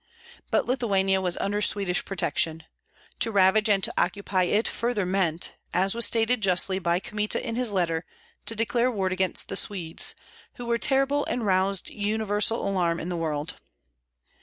But Lithuania was under Swedish protection. To ravage and to occupy it further meant, as was stated justly by Kmita in his letter, to declare war against the Swedes, who were terrible and roused universal alarm in the world.